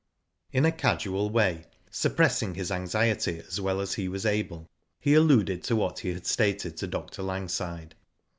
In a casual way, suppressing his anxiety as well as he was able, he alluded to what he had stated to Dr. Langside.